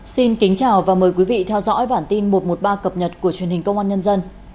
xin kính chào và mời quý vị theo dõi bản tin một trăm một mươi ba cập nhật của truyền hình công an nhân dân